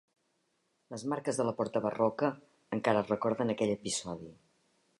Les marques de la porta barroca encara recorden aquell episodi.